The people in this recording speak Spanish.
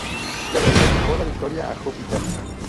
Se dedicó la victoria a Júpiter.